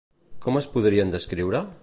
Com es podrien descriure?